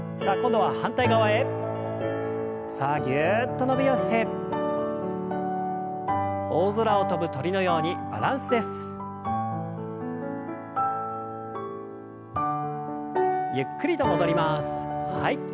はい。